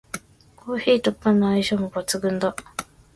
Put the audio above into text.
コーヒーとパンの相性も抜群だ